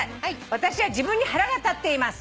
私は自分に腹が立っています」